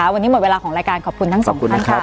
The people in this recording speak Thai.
วันนี้หมดเวลาของรายการขอบคุณทั้งสองท่านค่ะ